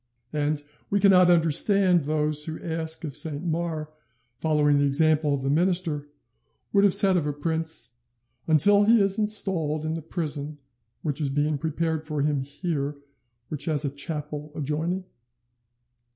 And we cannot understand those who ask if Saint Mars, following the example of the minister, would have said of a prince "Until he is installed in the prison which is being prepared for him here, which has a chapel adjoining"?